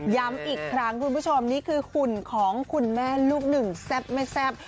ย้ำอีกครั้งคุณผู้ชมนี่คือหุ่นของคุณแม่ลูกหนึ่งแซ่บไม่แซ่บ